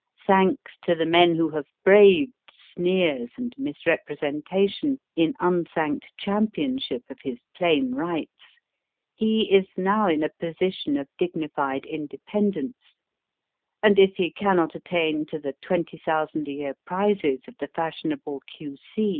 Thanks to the men who have braved sneers and misrepresentation in unthanked championship of his plain rights, he is now in a position of dignified independence ; and if he cannot attain to the twenty thousand a year prizes of the fashionable O.C.